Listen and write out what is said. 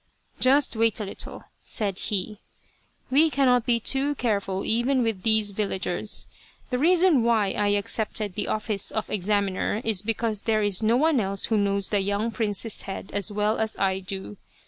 " Just wait a little," said he " we cannot be too careful even with these villagers. The reason why I accepted the office of examiner is because there is no one else who knows the young prince's head as well as I do.